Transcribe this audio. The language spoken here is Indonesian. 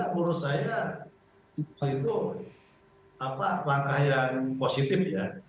menurut saya itu langkah yang positif ya